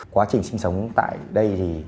quá trình sinh sống tại đây